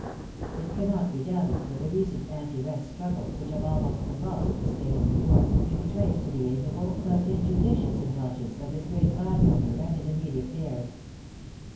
It cannot be doubted that the recent anti rent struggles, which have almost convulsed the State of New York, can be traced to the amiable but injudicious indulgence of this great landholder and his immediate heirs.